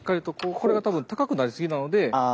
これが多分高くなりすぎなので外れるんです。